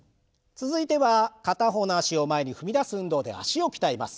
続いては片方の脚を前に踏み出す運動で脚を鍛えます。